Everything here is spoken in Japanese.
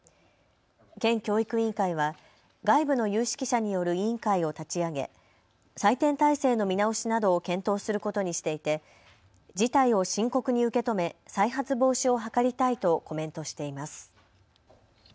県教育委員会は外部の有識者による委員会を立ち上げ採点体制の見直しなどを検討することにしていて事態を深刻に受け止め再発防止を図りたいとコメントしています。